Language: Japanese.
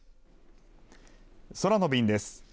空の便です。